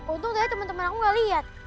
untung tadi temen temen aku gak liat